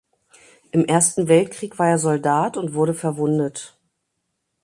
Im Ersten Weltkrieg war er Soldat und wurde verwundet.